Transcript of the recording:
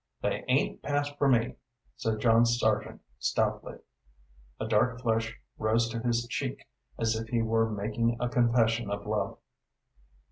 "They ain't past for me," said John Sargent, stoutly. A dark flush rose to his cheek as if he were making a confession of love.